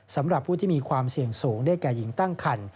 สำหรับผู้ที่มีความเสี่ยงสูงได้แก่หญิงตั้งคัน